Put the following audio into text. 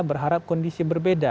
berharap kondisi berbeda